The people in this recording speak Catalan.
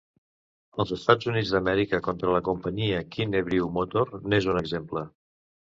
"Els Estats Units d'Amèrica contra la companyia Kinnebrew Motor" n'és un exemple.